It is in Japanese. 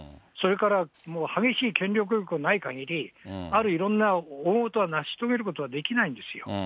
それから、激しい権力闘争がないかぎり、ある、いろんな大ごとを成し遂げることはできないんですよ。